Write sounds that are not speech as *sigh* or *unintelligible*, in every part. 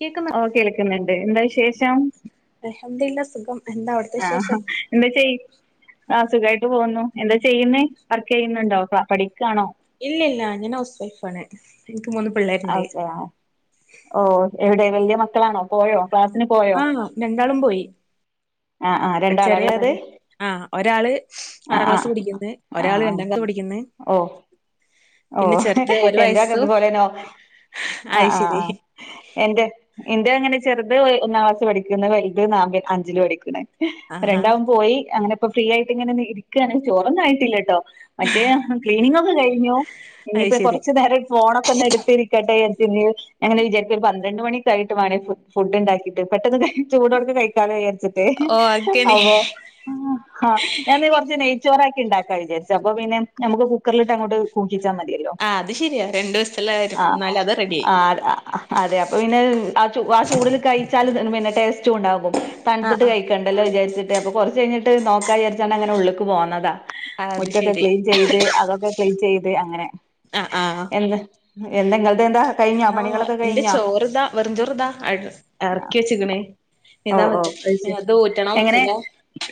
കേക്കുന്ന ഓ കേൾക്കുന്നുണ്ട് എന്താ വിശേഷം അൽഹംദുലില്ലാ സുഖം എന്താ അവിടുത്തെ ആഹ വിശേഷം എന്താച്ച സുഖയിട്ട് പോകുന്നു എന്താ ചെയ്യുന്നെ വർക്ക് ചെയ്യുന്നുണ്ടോ പഠിക്കുകാണോ ഇല്ല ഇല്ല ഞാൻ ഹൗസ് വൈഫാണ് മൂന്ന് പിള്ളേരുണ്ട് അവസാ ഓ എവിടെ വലിയ മക്കളാണോ പോയോ ക്ലാസ്സിന് ആഹ രണ്ടാളും പോയി ആ ആ രണ്ടാള ഇള്ളത് ആഹ ഒരാള് ആറാം ക്ലാസ് പഠിക്കന്ന് ഒരാള് ആഹ് രണ്ടാം ക്ലാസ്സ് പഠിക്കന്ന് ഓ ഓ എന്റെക്കെ ഇതുപോലെ നോ ആ അത് ആ ശരി ആ എന്റെ എൻ്റെ അങ്ങനെ ചെറുത് ഒന്നാം ക്ലാസ് പഠിക്കുന്ന് വലത് നാല് അഞ്ചില് പഠിക്കുന്ന് ആഹാ രണ്ടാളും പോയി അങ്ങനെ ഇപ്പോ ഫ്രീ ആയിട്ട് ഇങ്ങനെ ഇരിക്കണ് ചോറോന്നും ആയിട്ടില്ല ട്ടോ മറ്റേ ക്ലീനിങ്ങ് ഒക്കെ കഴിഞ്ഞു അത് ഇനിയിപ്പൊ ശരി കുറച്ചു നേരം ഫോണൊക്കെ ഒന്ന് എടുത്തിരിക്കട്ടെ വിചാ ഞാൻ അങ്ങനെ വിചാരിക്ക ഒരു പൻ രണ്ടു മണിക്കായിട്ട് മനെ ഫു ഫുഡ്ണ്ടാക്കിട്ട് പെട്ടെന്ന് ചൂടോട്ക്കെ കൈക്കാ ന്ന് വിചരിച്ചിട്ട് ഓഹ് അങ്ങനെ അപോ ആഹ ഞാന്ന് കുറച്ച് നെയ്ച്ചോറ ആക്കി ഉണ്ടാക്കാ വിചാരിച്ചു അപ്പൊ പിന്നെ നമുക്ക് കുക്കറിലിട്ട് അങ്ങോട്ട് കിച്ചാ മതിയല്ലോ ആഹ് അത് ശരിയാ രണ്ടു വയസ്സുള്ള കാര്യം ആ എന്നാലും അത് റെഡിയായി ആ അതെ അപ്പൊ പിന്നെ ആ ആ ചൂടിൽ കഴിച്ച പിന്നെ ടെസ്റ്റും ഉണ്ടാകും ആഹ് തണുത്തിട്ട് കഴിക്കണ്ടല്ലോ വിചാരിച്ചിട്ട് അപോ കൊറച്ച് കഴിഞ്ഞിട്ട് നോക്കാ വിചാരിച്ചാണ്ട് അങ്ങനെ ഉള്ളുക്ക് പോന്നതാ ആഹ് അത് മുറ്റൊക്കെ ശരി ക്ലീൻ ചെയ്ത് അതൊക്കെ ക്ലീൻ ചെയ്ത് അങ്ങനെ ആ ആഹ് എന്നെങ്ങൾടേന്താ ആഹ് ഇന്റെ ചോറ്താ വെറുംചോറ്താ എറക്കി വെച്ച്ക്ക്ണ് ഓ ഇതാ ഓ പറ്റും അത് ശരി പിന്നത് ഊറ്റണം എങ്ങനെ പിന്നെ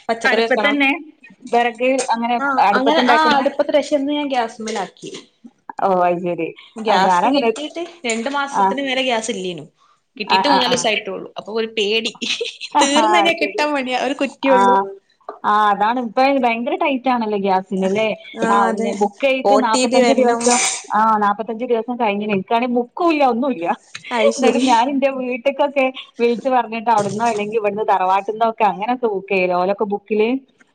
പച്ചക്കറി വെക്കണം അടുപ്പത്തന്നെ വെറക് അങ്ങനെ ആഹ് അങ്ങനെ ആഹ് അടുപ്പത്ത്ണ്ടാക്കുന്ന അടുപ്പത്ത് രശിന്ന് ഞാൻ ഗ്യാസ്മ്മല ക്കി ഓഹ് അത് ശെരി ഗ്യാസ് കിട്ടീട്ട് രണ്ട് ആഹ് മാസത്തിന് മേലെ ഗ്യാസ് ഇല്ലേനു കിട്ടീട്ട് ആഹ് മൂന്നാലൂസയിട്ടൊള്ളു ഒര് പേടി അയ് തീർന്നഴിഞ്ഞാ ശരി കിട്ടാൻ പണിയാ ഒരു കുറ്റിയൊള്ളൂ ആഹ് ആഹ് അതാണ് ഇപ്പ ഭയങ്കര ട്ടൈയ് റ്റാണല്ലെ ഗ്യാസ്സില്ലലെ ആഹ് ഓ ബുക്കെയ്ത് ടി പി നാപ്പത്തഞ്ച് വരണം ദിവസം ആഹ് നാപ്പ പതിനഞ്ച് ദിവസം കഴിഞ്ഞീന് ഇൻക്കാണെ ബുക്കൂല്ല ഒന്നുല്ല ന്ന്ട്ടും അയ്ശരി ഞാൻ ഇന്റെ വീട്ടിൽ ഒറ്റകൊക്കെ വെയ്ച്ച് പറഞ്ഞെ ന്ന അല്ലെങ്കി ഇവിട്ന്ന് തറവാട്ട്ന്നൊക്കെ അങ്ങനെ തൂക്കെയ് ഓലക്കെ ബുക്ക്ല്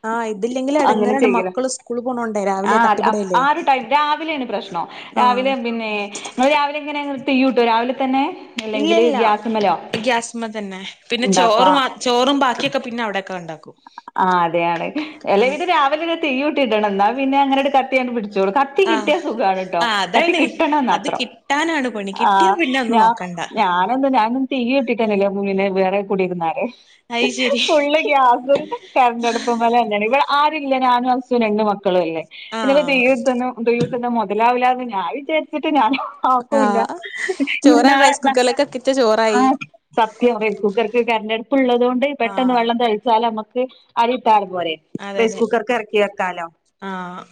ആഹ് ഇതില്ലെങ്കില് അങ്ങനെ എടങ്ങേറാണ് ചെയ്യല മക്കള് സ്കൂള് പോണോണ്ടേ രാവിലെ ആഹ് ആഹ് തട്ടിപ്പടയല്ലേ ഒര് ടൈം രാവിലേണ് പ്രശ്നം രാവിലെ ആഹ് പിന്നെ ങ്ങള് രാവിലെ ഇ ങ്ങനെ് യ രാവിലെ തന്നെ അല്ലെങ്കില് ഇല്ലല്ല ഗ്യാസ്മ്മലോ ഗ്യാസ്മെ തന്നെ പിന്നെ ഉണ്ടാക്കോ ചോറും ചോറും ബാക്കികൊക്കെ പിന്ന അവടെ ആഹ് അതെയതെ അല്ലെ ആഹ് ഇത് രാവിലെ തിയ്യൂട്ടി ഇടണം ന്നാ പിന്നെ അങ്ങന്ണ്ട് കത്തിയണ്ട് പി ച്ചോ കത്തി ആഹ് കിട്ടിയ സുഖാണ്ട്ട്ടൊ ആഹ് കത്തി അതാണ് കിട്ടണം അത് മാത്രം കിട്ടാനാണ് പണി കിട്ടിയാ ആഹ് പിന്നെ ഒന്ന് ഞാൻ നോക്കണ്ട ഞാനെന്നും ഞാന് തീയ്യും ഇട്ട്ട്ടന്നെൺല്ലെ മനെ വേറെ കൂടി ഇരുന്നേ അയ് ശരി ഫുള്ള് ഗ്യാസ് കരന്റടുപ്പമ്മല തന്നെയാണ് ഇവടെ ആരുല്ല ഞാനും ഹസ്സും രണ്ട്മക്കളും മക്കളല്ലെ ഇപ്പോ ആഹ് തെയ്യന്നും തൂസ്ന്നും മുതലാവില്ലാ എന്ന് ഞാൻ വിചാരിച്ചിട്ട് ഞാൻ ആപ്പൂല്ല ആഹ് ചോറാൻ റൈസ് നാളെ കുക്കറിലൊക്കെ ഇട്ടിട്ട് ആ ചോറായി സത്യം റൈസ് കുക്കർക്ക് കരന്റ ണ്ടടുപ്പ്ള്ളത്കൊണ്ട് പെട്ടെന്ന് ആഹ് വെള്ളം തിക ഞമ്മക്ക് ആരീം ത്യാഗ അതെ റൈസ് അതെ കുക്കറ്ക് എറക്കി വെക്കാലൊ ആഹ്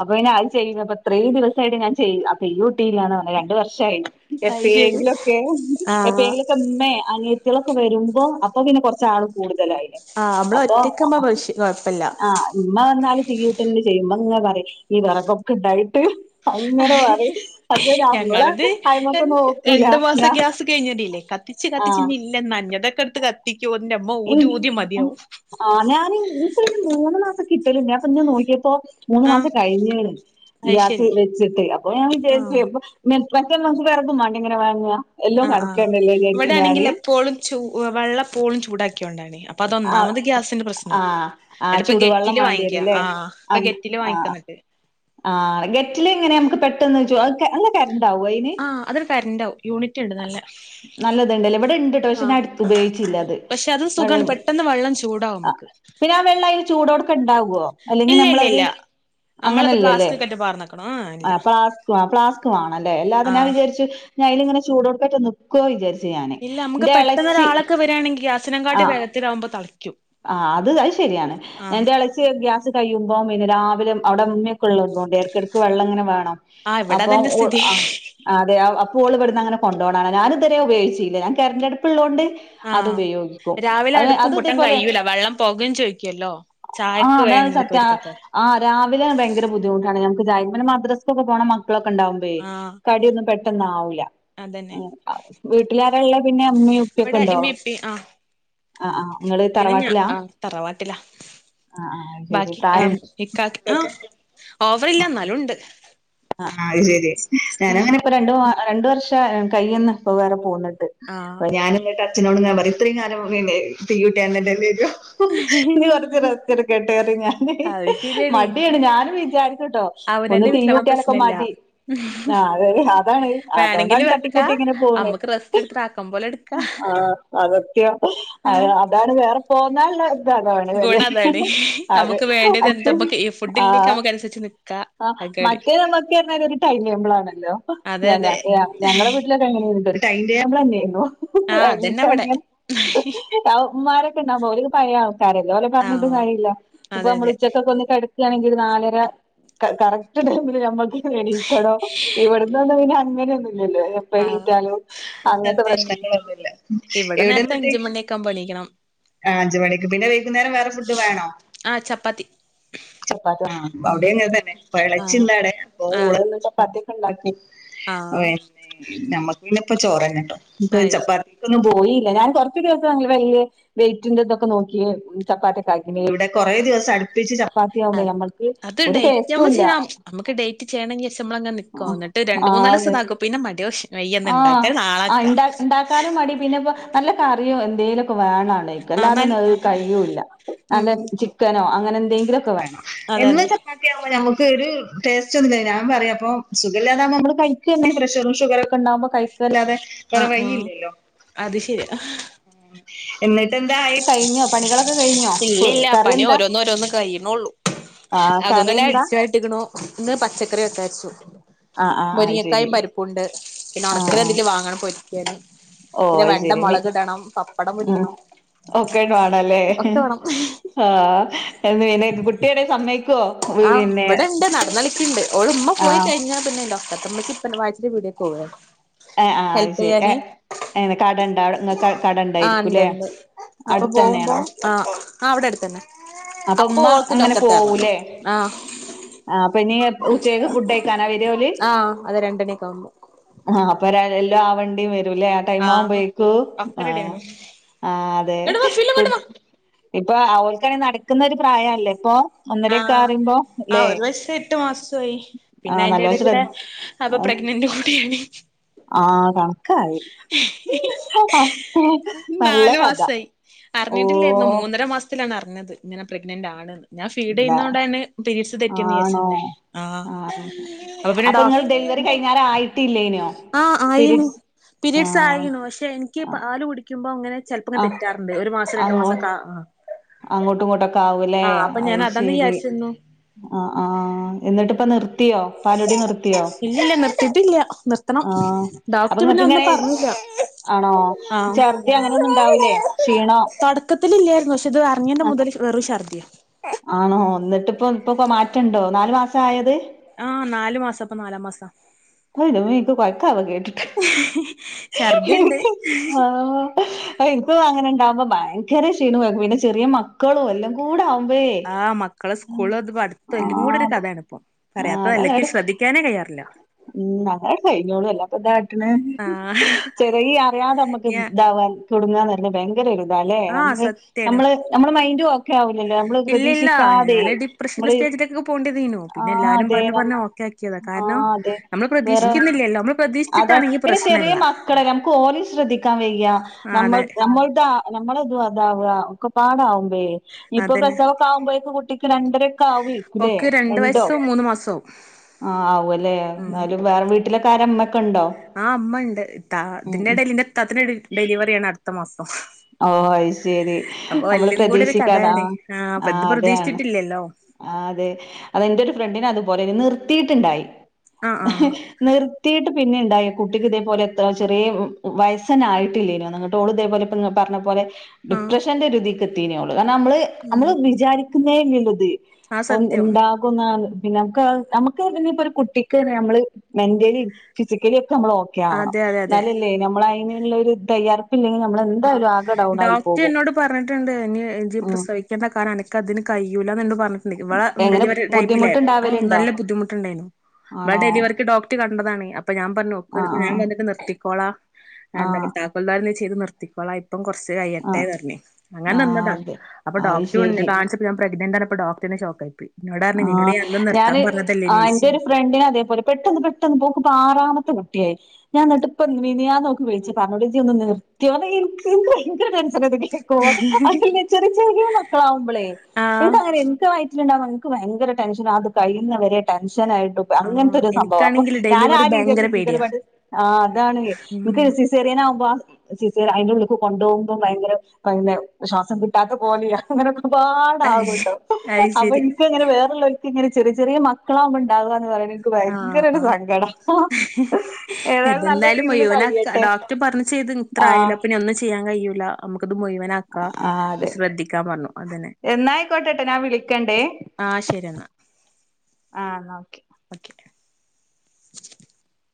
അപ്പൊ ചെയ്യുന്നത്പ്പ ഇത്രീ ദിവസിയിട്ട് ഞാൻ ചെയ്യും അപ്പൊ യു ടിൽണ് പറഞ്ഞ രണ്ടു വർഷായി് അയ് ശരി എപ്പയെങ്കിലുംൊക്കെ ആഹ് എപ്പേങ്കിലൊക്കെ ഉമ്മേ അനിയത്തീളൊക്കെ വരുമ്പൊ അപ്പൊ പിന്നെ കൊറ ചാളും കൂടലില്ല ആഹ് നമ്മള് അപ്പ ഒറ്റക്കാവുമ്പോ പക്ഷെ കൊഴപ്പല്ല ആഹ് ഇമ്മ വന്നാല് തിരിയൂട്ടെങ്കിലും ചെയ്യും അങ്ങാ പറയുന്നെ ഈ വിറകൊക്കെ ഇണ്ടായിട്ട് അങ്ങനെ പറയും പക്ഷെ നമ്മള് ഞങ്ങള്ത് അയിമക്ക് നോക്കൂല രണ്ട് മാസം ഞാ ഗ്യാസ് കഴിഞ്ഞരില്ലെ കത്തിച്ച് കത്തിച്ച് ആഹ് ഇഞില്ല നഞ്ഞതൊക്കെ എടുത്ത് കത്തി ആഹ് ഞാന് ഇക്ക് മൂന്ന് മാസം കിട്ടലണ്ട്പ്പൊ അപ്പെ ഴനോക്കിയപ്പോ മൂന്ന് ആഹ് മാസം കഴിഞ്ഞെ അത് ഗ്യാസ് ശരി വെച്ച്ട്ടെ അപ്പൊ ഞാൻ ആഹ് വിച പച്ചൻ മ കറതും വണ്ട ഇങ്ങന വേങ്ങ ആഹ് ആഹ് ഇവടെ ആണെങ്കിലെപ്പോഴും ചൂ വെള്ളം എപ്പോഴും ചൂടാക്കിയൊണ്ടാണ് പ്പൊ ആഹ് അതൊന്നാമത് ഗ്യാസിന്റെ പ്രശ്നം ആഹ് ആഹ് എന്ന്ട്ട് ഇപ്പ ചൂടുവെള്ളം ഗെറ്റില് വാങ്ങിക്ക വേണ്ടിവരൂല്ലേ ആഹ് ഇപ്പൊ ഗെറ്റില് വാങ്ങിക്ക ശ് ആഹ് ഗെറ്റില്ങ്ങനെ ഞമ്മക്ക് പെട്ടന്ന് വെ ആഹ് അതൊരു കരൻറണ്ടാവും യൂണിറ്റ് ഉണ്ട് നല്ലെ നല്ലത്ണ്ടല്ലെ ഇവിടെ ഇണ്ട്ട്ടൊ പക്ഷെ ഇടുത്ത് ഉപയോഗിച്ച്ലത് പക്ഷെ അതും മഴെ സുഖാണ് പെട്ടെന്ന് വെള്ളം ചൂടാവും ആ നമുക്ക് പിന്നെ ആ വെള്ളം അയ്ല് ചൂടോട്ക്കെനെണ്ടാവൊ അല്ലെങ്കി ഇല്ല ഇല്ല ഞമ്മളത് ഇല്ല നമ്മളത് അങ്ങനെല്ലലെ പ്ലാസ്റ്റിക്കറ്റ് പാർന്നക്കണം ആ ഇല്ല പ്ളാസ് പ്ലാസ് വേണല്ലെല്ലാതെ ആ ഞാ വിചാരിചു ഞ അയിലങ്ങനെ ചൂടോട്ക്കനെട്ട് നിക്കുവൊ വിചാച്ചു ഇല്ല നമ്മക്ക് പെട്ടെന്ന് ഒരാളൊക്കെ വര്യാണെങ്കി ഗ്യാസ്നെകാട്ടി ആഹ് വേഗത്തിലാവ്മ്പ തളക്കും ആഹ് അത് അത് ശരിയാണ് എന്റെ ഇളെച്ചി ഗ്യാസ് കഴിയുമ്പൊ പിന്നെ രാവിലെ അവിടെ ഇടക്കെടക്ക് വള്ളംങ്ങനെ വേണം ആ ഇവിടെ അപ്പ അതന്നെ സ്ഥിതി അ അതെ അപ്പ ഓള് വ്ട്ന്ന് കൊണ്ടോണ ഞാനത്വരെ ഉപയോഗിച്ചീല ഞാൻ കരന്റന്റെ അടുപ്പ ഉള്ളോണ്ട് ആ അത് ഉപയോഗിക്കും രാവിലെ അത് അടുപ്പും അത് പൊട്ടാൻ ഇതേപോലെ കഴിയൂല വെള്ളം പൊകയും ചോയ്ക്കുവല്ലോ ചായക്ക് ആഹ് താണ് സത്യാ വേണ്ടവർക്കൊക്കെ ആ രാവിലെ. ബയ്ങ്കര ബുദ്ധിമുട്ടാണ് ഞമ്മക്ക് മദ്രസക്കൊക്കെ പോണ മക്കളൊക്കെണ്ടാവുമ്പോ ആ കടിയൊന്നു പെ ന്നാവൂല. അ അതന്നെ ഹ് വീട്ടിലാരാള്ളെ പിന്നെ ഇമ്മിയും ഇപ്പിയൊക്കെ ഇവിടെ ണ്ടോ? ഇമ്മീം ഇപ്പീം ആ അ ആ ഹ് ങ്ങള് പിന്നെ ഞാ തറവാട്ടിലാ ആ തറവാട്ടിലാ അ ആഹ് ശെരി താ ക്കക് ആ ഓവറില്ല എന്നാലുണ്ട്. ആ അഹ് ശെരി ഞാനങ്ങന ഇപ്പോ രണ്ട് മാ രണ്ട് വർഷം കൈയിന്ന് പ്പൊ വേറെ പോന്ന് *unintelligible* ആ പ്പ ഞാന് ന്ന്ട്ട് അച്ചനോട്ങ്ങ പറിം ഇത്രയും *unintelligible* തീകൂട്ടി *unintelligible* നി കൊറച്ച് റസ്റ്റെട്ക്കട്ടെറി ഞാന്ൻ അത് ഹ് മടിയാണ് ഞാനും വിചാരിച്ചുട്ടോ. അവനന്തെ *unintelligible* ക്കെ മടി ആ അത് അതാണ് വേണെങ്കില് അതോണ്ടാണ് വെക്കാ തട്ടിക്കുട്ടി ഇങ്ങനെ പോണെ അമ്മക്ക് റെസ്റ്റ് എടുത്തിട്ട് ആക്കം പോലെ എടുക്കാ ആഹ് ആഹ് *unintelligible* അതാണ് വേറെ പോന്നാള്ള ഗുണം അതാണ് ഹ് നമുക്ക് വേണ്ടിത് മറ്റേ എന്താപ്പ കൈ ഫുഡ്ല്ലേക് നമക്ക് അനുസരിച്ച് നിക്കാ. *unintelligible* *unintelligible* ഉം ഒര് ടൈംടേബിളെന്നെയായിരുന്നു അതെ അതെ ഹ് ഹ് ആഹ് ഐ അതന്നെ ഇവിടെ ഹ് ഹ് ആ മ്മാരൊക്കെ ഉണ്ടാവ്മ്പോ അവരൊക്കെ പയേൾക്കാരെല്ലേ ഓലെ പറഞ്ഞിട്ടും ആഹ് കാര്യല്ല ഇപ്പൊ അതെ നമ്മൾ അതെ ഉച്ചക്കൊക്കെ ഒ ക്ക്യാണെങ്കി നാലര ക കറക്റ്റ് ടൈമില് ഹ് നമ്മക്ക് ഹ് എണീക്കണം ഇവിടുന്നൊന്നു പിന്ന ല്ലല്ലൊ എപ്പ ആഹ് എണീറ്റാലും അങ്ങനത്തെ അതന്നെ പ്രശ്നങ്ങളൊന്നുംല്ല മ് ഇവിടെന്നിട്ടെ ണം. ആ അഞ്ച് മണിക്ക് പിന്നെ വൈകുന്നേരം വേറെ ഫുഡ് വേണോ? ആഹ് ചപ്പാത്തി ചപ്പാത്തി വേണം ഉം അവിടെയും അങ്ങനെ തന്നെ പയള- ആഹ് *unintelligible* അപ്പൊ ഓള് ആഹ് വന്നപ്പൊ ചപ്പാത്തിയൊക്കെ ഉണ്ടാക്കി ആഹ് പിന്നെ നമ്മക്ക് പിന്നെ പ്പ ചോറാന്ന് ട്ടോ പ്പം അയ് ചപ്പാത്തി *unintelligible* പോയില്ല ഞാൻ കൊറച്ച് ദിവസം ഉം വലിയ വെയ്റ്റിന്റിതൊക്കെ നോക്കി ചപ്പാത്തി ഒക്കെ ആക്കിനി എവിടെ കൊറേ. ദിവസം അടുപ്പിച്ച് ചപ്പാത്തിയാവുമ്പോ അത് നമ്മക്ക് ഒരു ടേസ്റ്റും ഇല്ല. ക്ക് ഡേറ്റ് ചെയ്യണെങ്കി ദിവസം നമ്മൾങ്ങന നിക്കു ആഹ് ന്നിട്ട് രണ്ട് മൂന്നാല് ദിവസം അതെ ഇതാക്കും പിന്നെ മടി പിടിച്ചും വയ്യന്ന് ആഹ് ഇണ്ടാക്കാൻ ആ നാളെക്കാ ഇണ്ട ഇണ്ടാക്കാനും മടി പിന്നെപ്പോ നല്ല കറിയോ എന്തേലുവൊക്കെ വേണം ഇടയ്ക്ക് ആഹ് ന അല്ലാതൊന്നും കഴിയൂല്ല ഉം നല്ല ഉം ചിക്കനോ അ അങ്ങനെ എന്തെങ്കിലുവൊക്കെ വേണം അതെ എന്നും അതെ ചപ്പാത്തിയാവുമ്പോ നമ്മു ക്കൊര് ടേസ്റ്റ് *unintelligible* ഞാൻ പറയും അപ്പം സുഖല്ല്യാതാവുമ്പോ നമ്മള് കൈഴിക്കുന്നെ പ്രഷറും ഷുഗറൊ ഇണ്ടാവുമ്പോ കൈക്കുവല്ലാതെ. ആ. ആഹ് അത് ശെരിയാ. ഹ് എന്നി ട്ട് എന്തായി കഴിഞ്ഞോ പണികളൊക്കെ കഴിഞ്ഞോ ഇല്ല പ് ഇല്ല കറി എന്താ? ആഹ് കറി അതൊന്നുവല്ല എന്താ അടിച്ചുവായിട്ടേക്കണു ഇന്ന് പച്ചക്കറി വക്കാരിച്ചു. ആഹ് ആഹ് അത് ശരി മുരിങ്ങക്കായും പരിപ്പുംണ്ട് പിന്നെ ആഹ് ഒണക്കല ആഹ് എന്തെങ്കിലും വാങ്ങണം പൊരിക്കാന്. ഓഹ് പിന്നെ അത് വെണ്ട ശരി മി മൊളക് ഇടണം പപ്പടം ഉം പൊരിക്കണം. ഒക്കെ വേണല്ലേ ഒക്കെ വേണം ഹ് ആഹ് *unintelligible* കുട്ടി ആണേ സമ്മയ്ക്കോ? ആഹ് ഇവിടെ ണ്ട് നടന്നളിക്ക്ണ്ട്. ഇമ്മ പോയി ആഹ് കൈഞ്ഞാ പിന്നെ ന്റെക്കൊത്ത മ്മച്ചി പ്പാന്റെ വായ്ചിന്റെ പീടിയെ പോകുവേ ഏ ആ അത് ശരി ഏ എനെ കടണ്ടാ ഇങ്ങക്കടെ ആഹ് ഇണ്ട് കടണ്ടായിരിക്കൂല്ലേ? ഇണ്ട് അപ്പൊ പോകുമ്പോ ആ അവിടടുത്തന്നെ. അപ്പൊ ഉമ്മ അങ്ങനെ പോവൂല്ലേ ആഹ് ആ അപ്പൊ ഇനി ഉച്ചക്ക് ഫുഡയിക്കാനേ വരു ആഹ് അത് രണ്ടണിയക്കാവുംമ്പൊ. ആഹ് അപ്പ ര എല്ലി ആവണ്ടിയും വരു ല്ലേ ആ ടൈമ് ആഹ് ആവുമ്പോഴേക്കും ഒക്കെ ആ റെഡിയാണോ ആ അതെ ഇങ്ങട്ട് വാ ഹ് ഫിലു ഫു ഇങ്ങട്ട് വാ ഇപ്പൊ അവൾക്കാണെ നടക്കുന്ന ഒരു പ്രായല്ലെ ഇപ്പൊ ഒന്നരൊക്കെ റിയുമ്പോ? ആ ഒരു വയസ്സു എട്ടു മാസംആയി പിന്നെ ആഹ് അയിന്റെ നല്ലോം എടെ കൂടെ ശ്രദ്ധ ഹ് അപ്പൊ പ്രഗ്നന്റ് കൂടിയായി. ആഹ് കണക്കായി നല്ല നാലു കഥ. മാസായി ഓ അറിഞ്ഞിട്ടില്ലായിരുന്നു മൂന്നര മാസത്തിലാണ് അറിഞ്ഞത് ഇങ്ങനെ പ്രഗ്നന്റ് ആണ്എന്ന് ഞാൻ ഫീഡ് ഇല്ല ചെയ്യുന്ന കൊണ്ടാണ് പിരീഡ്സ് തെറ്റിന്ന് ആണോ വിചാരിച്ചിരുന്നെആ അപ്പൊ പിന്നെ ഡോ ഇത് കഴിഞ്ഞാര ആയിട്ടില്ലേനോ ആ ആയിനു പീരീഡ്സ് പീരയഡ്സ് ആഹ് ആയിനു പക്ഷെ എനിക്ക് ആഹ് പാല് കുടിക്കുമ്പോ ങ്ങനെ ചിലപ്പോങ്ങ് ആഹ് തെറ്റാറുണ്ട് ഒരു മാസം രണ്ടു മാസൊക്കെ അങ്ങോട്ട് ആ അങ്ങോട്ടും ഇങ്ങോട്ടൊക്കെ ആവൂലേ അത് ഞാൻ അതാന്ന് ശെരി വിചാരിച്ചിരുന്നു ആ ആ എന്നിട്ട് ഇപ്പ നിർ നിർത്തിയോ പാലോടി നിർത്തിയോ ഇല്ലില്ല നിർത്തിയിട്ടില്ല നിർത്തണം ആ അപ്പൊ ഡോക്ടർ പിന്നെ നിങ്ങക്ക് ഒന്നും ഇങ്ങനെ പറഞ്ഞില്ല ആണോ ആഹ് ചർദി അങ്ങനെ ഒന്നും ഉണ്ടാവൂലേ ക്ഷീണോ ല്ലായിരുന്നു പക്ഷേ ഇതറിഞ്ഞിന്റെ മുതൽ വെറും ശർദിയ ആണോ എന്നിട്ട് ഇപ്പ ഇപ്പൊ മാറ്റണ്ടോ നാലു മാസായോത് ആ നാലു മാസം ഇപ്പൊ നാലാം മാസാ ഹ ന്റെ മ്മേ ഇക്ക് കോയക്കാവ കേട്ടിട്ട് ഛർദിണ്ട് ആ ഇൻക് ആ ഇൻക്കൊന്നാങ്ങനെ ഇണ്ടാവുമ്പോ ഭയങ്കര ക്ഷീണം കോ പിന്നെ ചെറിയ മക്കളും എല്ലം കൂടെ ആവു ആ മക്കള സ്കൂള് പഠിത്തോം എല്ലുംകൂടെ ആഹ് ഒരു അത് കഥെണ് ഇപ്പൊ പറയാത്തത് നല്ലേ ഇക്ക് ശ്രദ്ധിക്കാനേ കഴ്യാറില്ല മം അതങ്ങട്ട് കയിഞ്ഞോളും അല്ലാതപ്പാ എന്താ ക്കാട്ട്ണ് ആ ചെറിയ ഈ അറിയാതെ നമ്മക്ക് ഞാ ഇതാവാൻ ടുങ്ങ ഭയങ്കര ഒരു ഇതാല്ലേ ആ അങ്ങ് നമ്മള് നമ്മളെ മൈന്റും ഒക്കെ ആവൂ ഇല്ലല്ല ഞാന് ഡിപ്രഷൻന്റെ നമ്മള് സ്റ്റേജിലേക് പോകണ്ടേതേനു പിന്നെ ആഹ് എല്ലാരും അതെ പറഞ് നമ്മ പറഞ് ഓക്കെ ആക്കിയത കാരണം നമ്മള് പ്രതീക്ഷിക്കുന്നില്ലല്ലോ നമ്മ അത പിന്നെ ചെറിയ മക്കള ല്ലെ നമക്ക് ഓലേം ശ്രദ്ധിക്കാൻ വയ്യ ആ നമ്മൾ അതെ നമ്മൾതാ നമ്മളതും അതാവ ഒക്ക പാടാവും അ ഇപ്പൊ അതന്നെ പ്രസവൊക്കെ ആവുമ്പോഴേക് കുട്ടിക്ക് രണ്ടരക്കെ ആവേക്കൂലേ ഓക്ക് രണ്ട് രണ്ടോ വയസ്സും മൂന്ന് മാസവും ആ ആവുലെ ഉം എന്നാലും വേറെ വീട്ടിലൊക്കെ ആരാ ഇമ്മൊക്കെ ആ ഇമ്മ ഇണ്ട് ത ഉം അതിന്റ ഉം. എടേൽ ഇന്റെ ഇത്തതെന്റെ ഡെലിവറിയാണ് അടുത്ത മാസം ഓ അയിശേരി അപ്പൊ നമ്മള് എല്ലും കൂടെ ഒരു പ്രതീക്ഷിക്കാത ആ കഥയാണ് ആഹ് അപ്പൊ ആ ഇത് അതാണ് പ്രതീക്ഷിച്ചിട്ടില്ലല്ലോ ആ അതെ അതെന്റ ഒരു ഫ്രണ്ട്ന് അതുപോലെ നിർത്തിട്ട് ണ്ടായി ആഹ് ആഹ് നിർത്തീട്ട് പിന്നെ ഇതായ കുട്ടിക്ക് ഇതേപോലെ ചെറിയ വയസൊന്നുംആയിട്ടില്ലേനു നിട്ട് ഓൾ ഇതേപോലെ പറഞ്ഞപോലെ ആഹ് ഡിപ്രഷന്റെ ഒരുതിക്ക് എത്തീനി ഓള്ള് കാരണം നമ്മള് ഉം നമ്മള് വിചാരിക്കുന്നേ ഇല്ല്യല്ലോ ഇത് ആ സത്യം ന്ന്ണ്ടാകുന്ന പിന്നെ നമക്ക് നമക്ക് പിന്നെ ഒരു കുട്ടിക്ക് നമ്മള് മെന്റലിം ഫിസിക്കലിം നമ്മൾ ഓക്കെ ആവണം അതെ അതെ അതെ ഇന്നലല്ലേ നമ്മള അയിനുള്ള ഒരു തയ്യാർപ്പ് ഇല്ലെങ്കിൽ നമ്മൾ ആ എന്തായാലും ആകെ ഡൗൺ ആയി ഡോക്ടർ പോകും എന്നോട് പറഞ്ഞിട്ടുണ്ട് ഇനി ജി ഉം പ്രസവിക്കേണ്ട കാരണം അനക്ക് അതിന് കയൂല്ലന്ന് ഇന്നോട് പറഞ്ഞിട്ട്ണ്ട് ഇവളെ എങ്ങനെ ഡെലിവറി ടൈമിലെ ബുദ്ധിമുട്ടുണ്ടാവലുണ്ടോ നല്ല ബുദ്ധിമുട്ടുണ്ടായിനി ഇവളെ ആണോ ഡെലിവറിക്ക് ഡോക്ടറ് കണ്ടതാണ് അപ്പ ഞാൻ പറഞ്ഞു ഞാൻ ആഹ് ഇത് നിർത്തിക്കോള ആഹ് എന്ത ആഹ് താക്കോൽദാരനെ ചെയ്ത് നിർ തിക്കോളാ ഇപ്പം കുറച്ച് ആഹ് കയ്യട്ടെന് പറഞ് അങ്ങനെ ആഹ് നിന്നതാ അതെ അപ്പൊ അത് ഡോക്ടർ ശരി കാണ്ച്ചപ്പോ ഞാൻ പ്രെഗ്നന്റ് പ്പോ ഡോക്ടറെന്നെ ഷോക്കായിപോയി ആ ഞാന് ആ എന്റെ ചോദിച്ച് ഒരു ഫ്രണ്ടിന് അതേപോലെ പെട്ടെന്ന് പെട്ടെന്ന് പോ ആറാമത്തെ കുട്ടിയായി ഞാൻ എന്നിട്ടിപ്പോ മിനിയാന്ന് ഓക്ക് വിളിച്ചു പറഞ് ഇജ്ജ് ഒന്ന് നിർത്തിയോ *unintelligible* ഭയങ്കര ടെൻഷൻ കേക്കുമ്പോ ചെറിയ ചെറിയ മക്കളാവുമ്പോളേ ആഹ് ഇൻക്ക്ങ്ങന ഇന്ക്ക് വയിറ്റിലുണ്ട ഇക്ക് ഭയങ്കര ടെൻഷൻ അത് കഴിയുന്ന വരെ ടെൻഷൻ നായിട്ട അങ്ങനത്തെ ആഹ് ഒരു സംഭവം അപ്പൊ എനിക്കാണെങ്കിൽ ഞാൻ ആ ഡെലിവറി രീതിയ ഭയങ്കര ചിന്തിക്കൽ പേടിയാ പണ്ട് ആ അതാണ് ഉം സിസേറിയൻ ആകുമ്പോ സിസേറിയൻ അയിന്റെുള്ളുക്ക് കൊണ്ടുപോകുമ്പോ ഭയങ്കര ശ്വാസം കിട്ടാത്ത പോലെ പാട അയ് ആകല്ലോ അയ് അപ്പൊ ശരി ഇങ്ങനെ വേറള്ളോർക്ക് ഇങ്ങനെ ചെറിയ ചെറിയ മക്കളാകുമ്പോ ഉണ്ടാവുക എന്ന് പറയ്ണത് എനിക്ക് ഭയങ്കര ഒരു സങ്കടം എതെന്തായാലും മുയിവനാക്കാ കഴിയട്ടെ ഡോക്ടർ പറഞ്ഞും ചെയ്ത് ഇത്ര ആ ആയില്ലേ അപ്പനി ഒന്നും ചെയ്യാൻ കയ്യൂല മുഴവനാക്ക ആ അതെ ശ്രദ്ധിക്കാൻ പറഞ്ഞു അതെന്നെ എന്നായിക്കോട്ടെട്ടോ ഞാൻ വിളിക്കണ്ടേ ആ ശരി എന്നാൽ ആ എന്നാ ഓക്കെ ഓക്കെ ആ *inaudible*